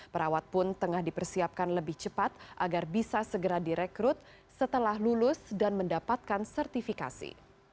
perawat pun tengah dipersiapkan lebih cepat agar bisa segera direkrut setelah lulus dan mendapatkan sertifikasi